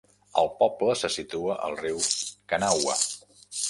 El poble se situa al riu Kanawha.